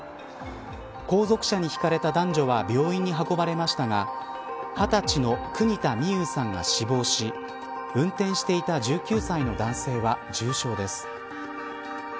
後続車にひかれた男女は病院に運ばれましたが２０歳の国田美佑さんが死亡し運転していた１９歳の男性は重傷です。